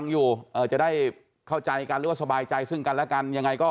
อยู่จะได้เข้าใจกันหรือว่าสบายใจซึ่งกันและกันยังไงก็